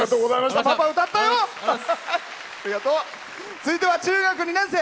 続いては中学２年生。